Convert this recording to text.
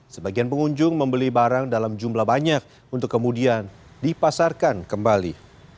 sebagian pengunjung membeli barang dalam jumlah banyak untuk kemudian dipasarkan kembali